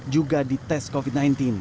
juga di tes covid sembilan belas